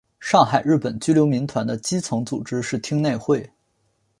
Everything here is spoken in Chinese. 上海日本居留民团的基层组织是町内会。